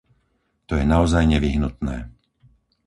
To je naozaj nevyhnutné.